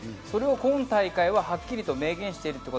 それを今大会ははっきり明言している。